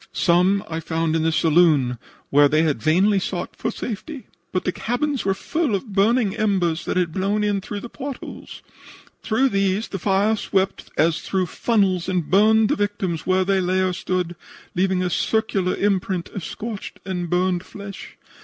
Some I found in the saloon where they had vainly sought for safety, but the cabins were full of burning embers that had blown in through the port holes. Through these the fire swept as through funnels and burned the victims where they lay or stood, leaving a circular imprint of scorched and burned flesh.